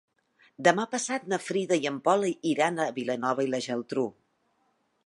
Demà passat na Frida i en Pol iran a Vilanova i la Geltrú.